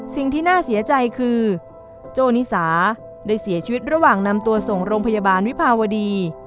สิ่งที่น่าเสียใจคือโจ้นิสาได้เสียชีวิตระหว่างนำตัวส่งโรงพยาบาลวิภาวดี